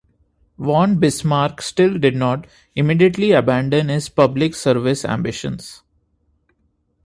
Von Bismarck still did not immediately abandon his public service ambitions.